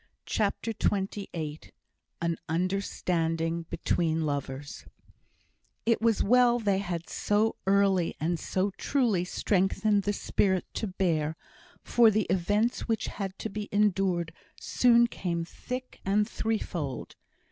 CHAPTER XXVIII An Understanding Between Lovers It was well they had so early and so truly strengthened the spirit to bear, for the events which had to be endured soon came thick and threefold.